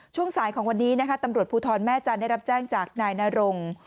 ช่วงสายของวันนี้นะคะตำรวจภูทรแม่จันทร์ได้รับแจ้งจากนายนรง